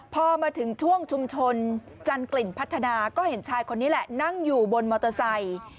พอมาถึงช่วงชุมชนจันกลิ่นพัฒนาก็เห็นชายคนนี้แหละนั่งอยู่บนมอเตอร์ไซค์